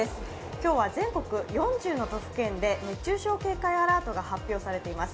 今日は全国４０の都府県で熱中症警戒アラートが発表されています。